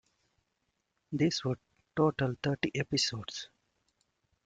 This would total thirty episodes.